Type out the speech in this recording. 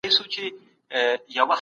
د اوبو ستونزه په جګړه کي څنګه هواره سوه؟